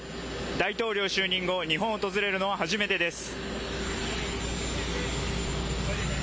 大統領就任後日本を訪れるのは初めてです。